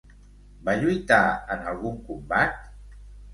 Va lluitar en algun combat?